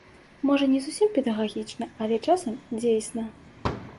Можа, не зусім педагагічна, але часам дзейсна.